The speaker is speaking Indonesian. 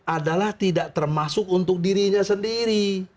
adalah tidak termasuk untuk dirinya sendiri